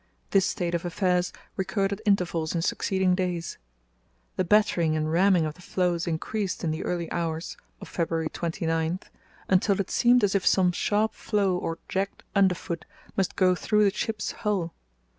This state of affairs recurred at intervals in succeeding days. "The battering and ramming of the floes increased in the early hours [of February 29] until it seemed as if some sharp floe or jagged underfoot must go through the ship's hull.